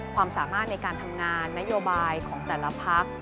ความสามารถในการทำงานนโยบายของแต่ละพัก